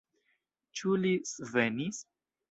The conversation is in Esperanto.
Ĉu li svenis?